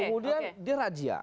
kemudian dia rajin